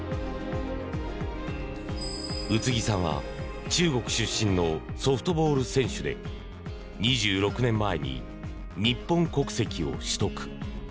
宇津木さんは中国出身のソフトボール選手で２６年前に日本国籍を取得。